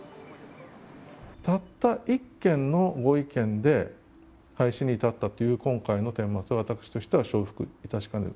たった１軒のご意見で廃止に至ったという今回のてん末は私としては承服いたしかねる。